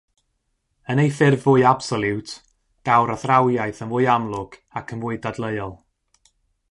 Yn ei ffurf fwy absoliwt, daw'r athrawiaeth yn fwy amlwg ac yn fwy dadleuol.